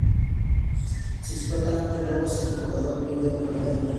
Si explotan ambos globos, el jugador pierde una vida en el juego.